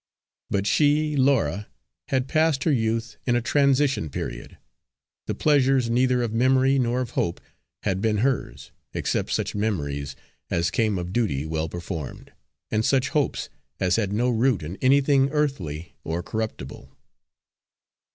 But she, Laura, had passed her youth in a transition period; the pleasures neither of memory nor of hope had been hers except such memories as came of duty well performed, and such hopes as had no root in anything earthly or corruptible.